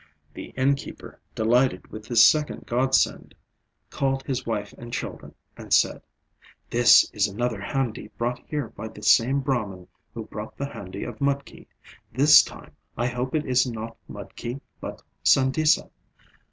The innkeeper, delighted with this second godsend, called his wife and children, and said "This is another handi brought here by the same Brahman who brought the handi of mudki. This time, I hope, it is not mudki but sandesa.